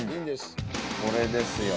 これですよ。